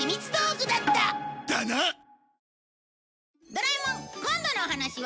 『ドラえもん』今度のお話は